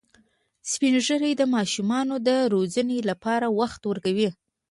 سپین ږیری د ماشومانو د روزنې لپاره وخت ورکوي